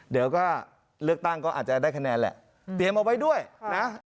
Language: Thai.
เดี๋ยวก็เลือกตั้งก็อาจจะได้คะแนนแหละเตรียมเอาไว้ด้วยนะ